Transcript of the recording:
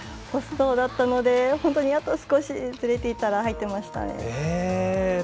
ポストだったのであと少しずれていたら入ってましたね。